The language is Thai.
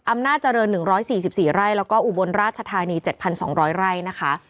อำนาจเจริญหนึ่งร้อยสี่สิบสี่ไร่แล้วก็อุบลราชธานีเจ็ดพันสองร้อยไร่นะคะ